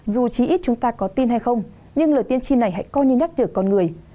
dù chỉ ít chúng ta có tin hay không nhưng lời tiên tri này hãy coi như nhắc việc con người